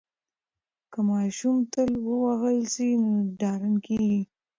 که ماشوم تل ووهل سي نو ډارن کیږي.